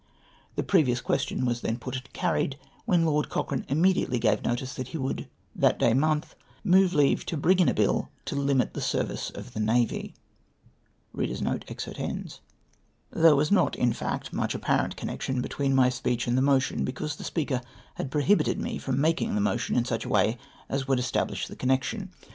" The previous question was then put and carried, when Lord Cochrane immediately gave notice that he woidd, that day month, move for leave to bring in a bill to limit the service of the navy." There was not, in fact, much apparent connection between my speech and the motion, because the Speaker had prohibited me from maldng the motion in such a way as would establish the connection.